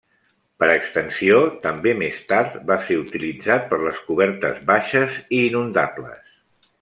Per extensió també més tard va ser utilitzat per les cobertes baixes i inundables.